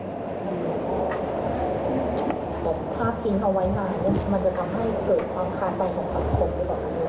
มันจะทำให้เกิดความคาจัยของผักผลหรือเปล่า